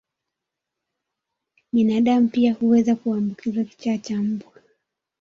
Binadamu pia huweza kuambukizwa kichaa cha mbwa